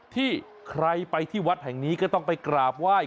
ที่ใครไปที่วัดแห่งนี้ก็ต้องไปกราบไหว้